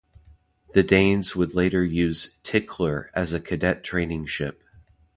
The Danes would later use "Tickler" as a cadet training ship.